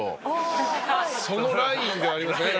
そのラインではありますね。